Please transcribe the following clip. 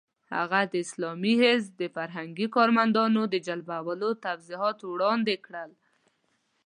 هغه د اسلامي حزب د فرهنګي کارمندانو د جلبولو توضیحات وړاندې کړل.